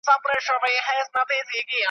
هغه مټي چي حساب یې وي پر کړی .